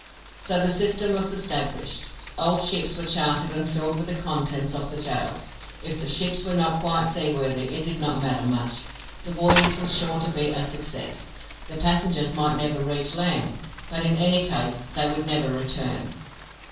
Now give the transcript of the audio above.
So the system was established. Old ships were chartered and filled with the contents of the gaols. If the ships were not quite seaworthy it did not matter much. The voyage was sure to be a success; the passengers might never reach land, but in any case they would never return.